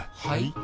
はい？